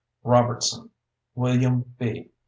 Robertson, William B.